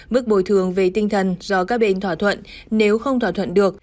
mức bồi thường về tinh thần do các bên thỏa thuận nếu không thỏa thuận được